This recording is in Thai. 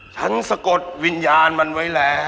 สะกดวิญญาณมันไว้แล้ว